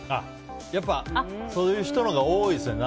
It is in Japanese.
やっぱ、そういう人のほうが多いですね。